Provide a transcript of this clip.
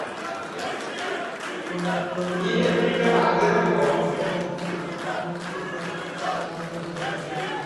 এরকম দুয়েকটা ড্রোন উড়তে সক্ষম হবে না সেটা আমরা জানতাম!